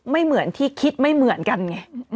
เหมือนที่คิดไม่เหมือนกันไง